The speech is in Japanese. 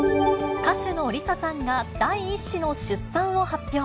歌手のＬｉＳＡさんが、第１子の出産を発表。